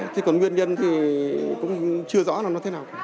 thế còn nguyên nhân thì cũng chưa rõ là nó thế nào